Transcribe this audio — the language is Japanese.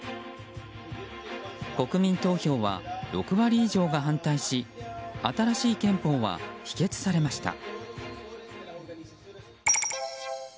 国民投票は６割以上が反対し新しい憲法は否決されました。